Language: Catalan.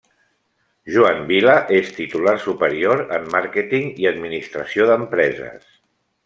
Joan Vila és titulat superior en màrqueting i administració d'empreses.